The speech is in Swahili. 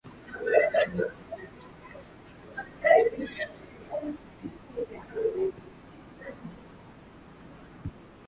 mtangazaji anatakiwa kujua muundo utakaotumia kwenye kipengele fulani